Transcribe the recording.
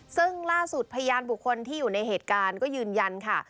ซึ่งล่าสุดพยานบุคคลที่อยู่ในเหตุการณ์ก็ยืนยันค่ะ